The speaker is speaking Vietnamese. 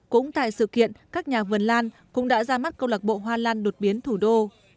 cũng tại sự kiện các nhà vườn lan cũng đã ra mắt câu lạc bộ hoa lan đột biến thủ đô